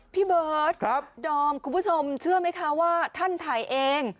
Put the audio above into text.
พี่เบิร์ตดอมคุณผู้ชมเชื่อไหมคะว่าท่านถ่ายเอง